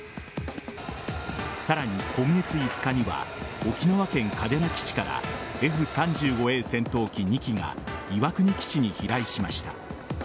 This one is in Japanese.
さらに今月５日には沖縄県嘉手納基地からＦ‐３５Ａ戦闘機２機が岩国基地に飛来しました。